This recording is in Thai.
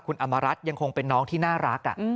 คุณอำมารัฐยังคงเป็นน้องที่น่ารัก